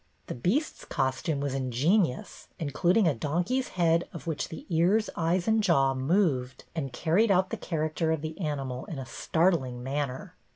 The Beast's costume was ingenious, including a donkey's head of which the ears, eyes, and jaw moved and carried out the character of the animal in a startling manner.